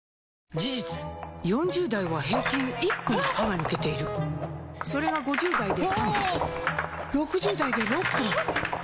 事実４０代は平均１本歯が抜けているそれが５０代で３本６０代で６本と増えていく